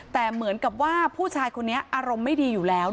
แต่เหมือนกับว่าผู้ชายคนนี้อารมณ์ไม่ดีอยู่แล้ว